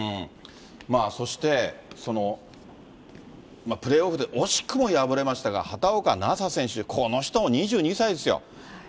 そして、プレーオフで惜しくも敗れましたが、畑岡奈紗選手、この人も２２歳ですよ。